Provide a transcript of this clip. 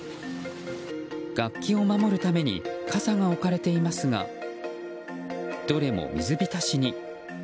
楽器を守るために傘が置かれていますがどれも水浸しに。